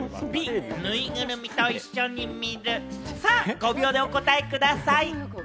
５秒でお答えください。